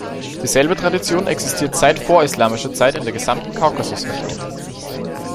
Dieselbe Tradition existiert seit vorislamischer Zeit in der gesamten Kaukasus-Region.